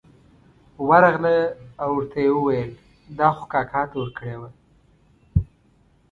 ورغله او ورته یې وویل دا خو کاکا ته ورکړې وه.